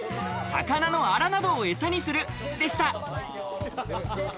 魚のアラなどをえさにする、でした。